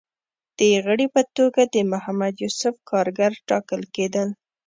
د غړي په توګه د محمد یوسف کارګر ټاکل کېدل